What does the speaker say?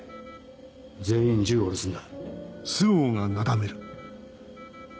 全員銃を下ろすんだ。